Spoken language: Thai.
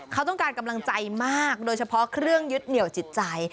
เขาต้องการกำลังใจมากโดยเฉพาะเครื่องยึดเหนียวจิตใจ